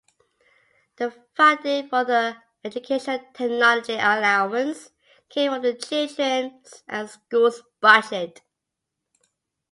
The funding for the Educational Technology Allowance came from the Children's and Schools budget.